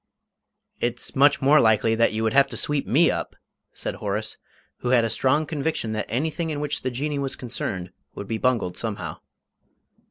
"It's much more likely that you would have to sweep me up!" said Horace, who had a strong conviction that anything in which the Jinnee was concerned would be bungled somehow.